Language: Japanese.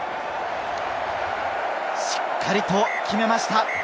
しっかりと決めました！